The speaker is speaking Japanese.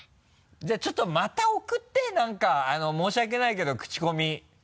じゃあちょっとまた送って何かあの申し訳ないけどクチコミ。